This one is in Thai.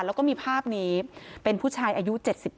แล้วก็มีภาพนี้เป็นผู้ชายอายุ๗๗